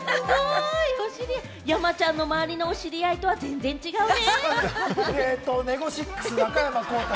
山ちゃんの周りのお知り合いとは全然違うね。